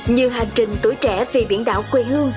như hành trình tuổi trẻ vì biển đảo quê hương